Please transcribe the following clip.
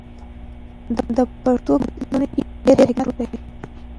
د پښتنو په متلونو کې ډیر حکمت پروت دی.